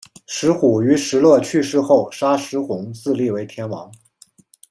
石虎于石勒去世后杀石弘自立为天王。